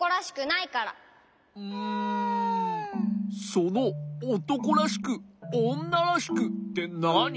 そのおとこらしくおんならしくってなに？